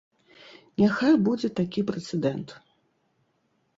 Няхай будзе такі прэцэдэнт.